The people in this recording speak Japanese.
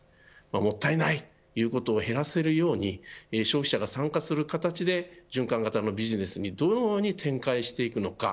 もったいない、ということを減らせるように消費者が参加する形で循環型のビジネスにどのように展開していくのか。